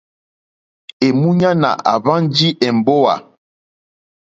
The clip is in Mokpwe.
Èmúɲánà àhwánjì èmbówà.